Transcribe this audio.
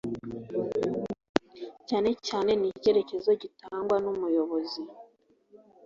cyane cyane n icyerekezo gitangwa n umuyobozi